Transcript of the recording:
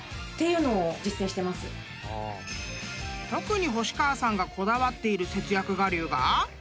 ［特に星川さんがこだわっている節約我流が］